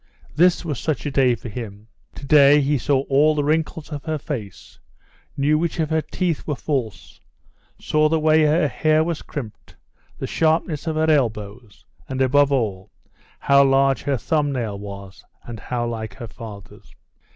This was such a day for him. To day he saw all the wrinkles of her face, knew which of her teeth were false, saw the way her hair was crimped, the sharpness of her elbows, and, above all, how large her thumb nail was and how like her father's.